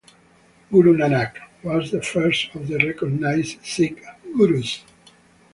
"Guru Nanak" was the first of the recognized Sikh gurus.